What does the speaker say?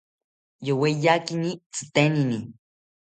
Yoweyakini tzitenini